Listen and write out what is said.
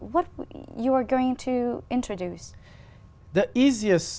những người học sinh